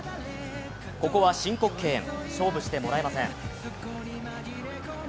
ここは申告敬遠勝負してもらえません。